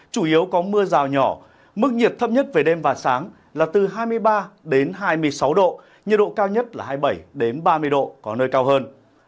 chủ yếu có mưa rào nhỏ mức nhiệt thấp nhất về đêm và sáng là từ hai mươi ba hai mươi sáu độ nhiệt độ cao nhất là hai mươi bảy ba mươi độ có nơi cao hơn